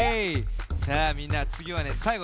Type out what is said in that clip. さあみんなつぎはねさいごだよ。